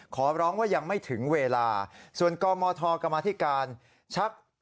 ขอร้องว่ายังไม่ถึงเวลาส่วนกมทกรรมธิการชัก